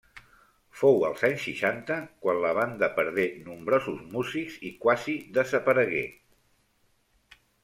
Fou els anys seixanta quan la banda perdé nombrosos músics i quasi desaparegué.